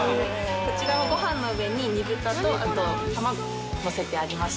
こちらはご飯の上に煮豚と卵をのせてありまして。